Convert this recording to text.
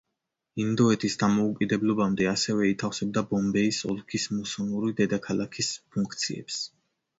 ინდოეთის დამოუკიდებლობამდე ასევე ითავსებდა ბომბეის ოლქის „მუსონური დედაქალაქის“ ფუნქციებს.